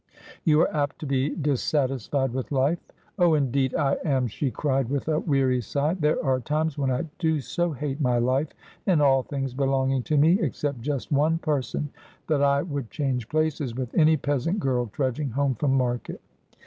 ' You are apt to be dissatisfied with life.' ' Oh, indeed I am,' she cried, with a weary sigh ; 'there are times when I do so hate my life and all things belonging to me — except just one person — that I would change places with any peasant girl trudging home from market.'